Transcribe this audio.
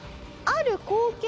ある光景。